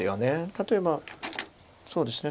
例えばそうですね。